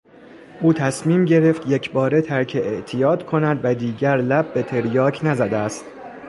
او تصمیم گرفت یکباره ترک اعتیاد کند و دیگر لب به تریاک نزده است.